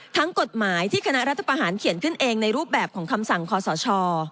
กฎหมายที่คณะรัฐประหารเขียนขึ้นเองในรูปแบบของคำสั่งคอสช